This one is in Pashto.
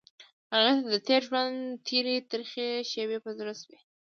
هغې ته د تېر ژوند تېرې ترخې شېبې په زړه شوې.